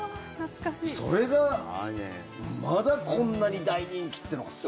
それが、まだこんなに大人気ってのがすごい。